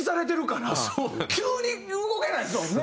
急に動けないですもんね。